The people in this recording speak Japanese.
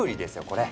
これ。